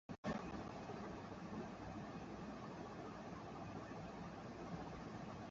প্রতিষ্ঠালগ্ন থেকে প্রতিষ্ঠানটি স্বল্প খরচে উন্নত শিক্ষার মান বজায় রেখে বাংলাদেশের উচ্চশিক্ষায় অবদান রাখতে সচেষ্ট।